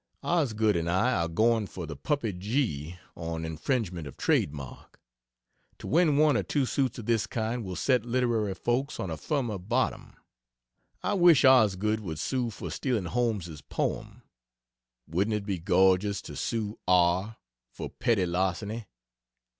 Osgood and I are "going for" the puppy G on infringement of trademark. To win one or two suits of this kind will set literary folks on a firmer bottom. I wish Osgood would sue for stealing Holmes's poem. Wouldn't it be gorgeous to sue R for petty larceny?